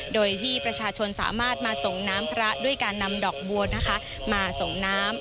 โดยที่ประชาชนสามารถมาส่งน้ำพระด้วยการนำดอกบัวนะคะมาส่งน้ำ